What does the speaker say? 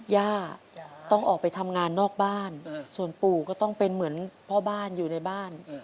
ย่าต้องออกไปทำงานนอกบ้านส่วนปู่ก็ต้องเป็นเหมือนพ่อบ้านอยู่ในบ้าน